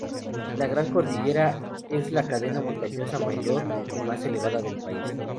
La Gran Cordillera es la cadena montañosa mayor y más elevada del país.